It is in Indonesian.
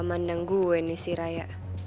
gak mandang gue nih si raya